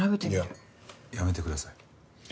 いややめてください。